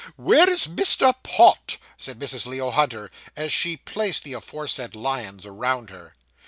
'Where is Mr. Pott?' said Mrs. Leo Hunter, as she placed the aforesaid lions around her.